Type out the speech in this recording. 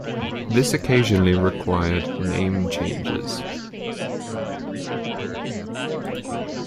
This occasionally required name changes.